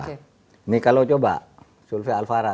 ini kalau coba survei alfara